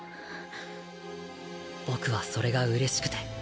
僕はそれが嬉しくて。